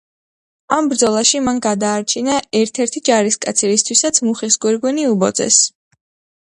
ამ ბრძოლაში მან გადაარჩინა ერთ-ერთი ჯარისკაცი, რისთვისაც მუხის გვირგვინი უბოძეს.